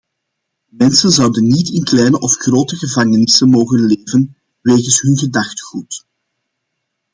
Mensen zouden niet in kleine of grote gevangenissen mogen leven wegens hun gedachtegoed.